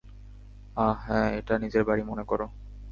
আহ, হ্যাঁ - এটা নিজের বাড়ি মনে করো।